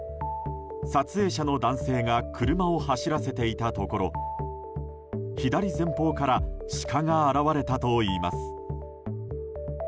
撮影者の男性が車を走らせていたところ左前方からシカが現れたといいます。